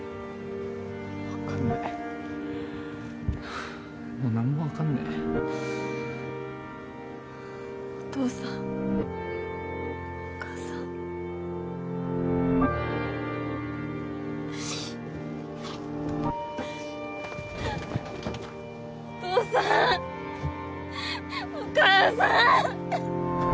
分かんないもう何も分かんねえお父さんお母さんお父さんお母さん！